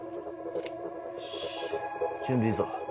よし準備いいぞ。